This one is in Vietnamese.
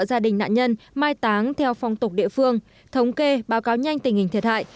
gia đình nạn nhân mai táng theo phong tục địa phương thống kê báo cáo nhanh tình hình thiệt hại